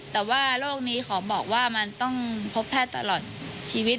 แต่ว่าโรคนี้ขอบอกว่ามันต้องพบแพทย์ตลอดชีวิต